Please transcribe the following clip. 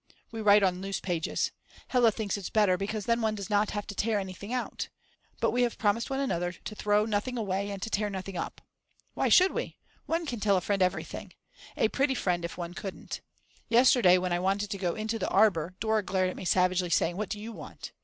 We write on loose pages. Hella thinks it's better because then one does not have to tear anything out. But we have promised one another to throw nothing away and not to tear anything up. Why should we? One can tell a friend everything. A pretty friend if one couldn't. Yesterday when I wanted to go into the arbour Dora glared at me savagely, saying What do you want?